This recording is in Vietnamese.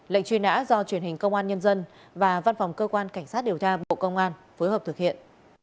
lệnh truy nã do truyền hình công an nhân dân và văn phòng cơ quan cảnh sát điều tra bộ công an phối hợp thực hiện